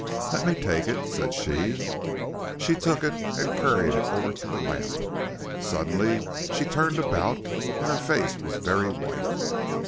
"Let me take it," said she. She took it and carried it over to the lamp. Suddenly she turned about and her face was very white.